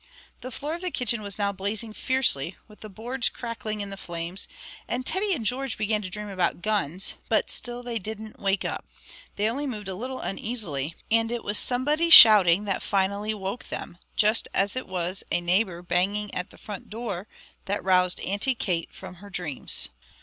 The floor of the kitchen was now blazing fiercely, with the boards crackling in the flames, and Teddy and George began to dream about guns, but still they didn't wake up. They only moved a little uneasily, and it was somebody shouting that finally woke them, just as it was a neighbour banging at the front door that roused Auntie Kate from her dreams.